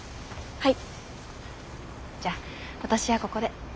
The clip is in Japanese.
はい。